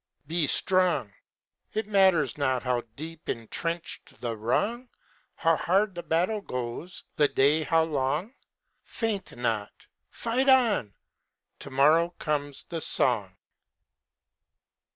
Be strong! It matters not how deep intrenched the wrong. How hard the battle goes, the day how long; Faint not fight on! To morrow comes the song.